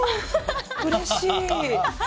うれしい！